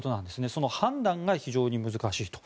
その判断が非常に難しいと。